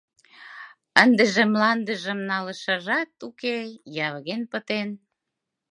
Ындыже мландыжым налшыжат уке — явыген пытен.